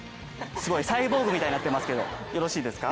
すごいサイボーグみたいになってますけどよろしいですか？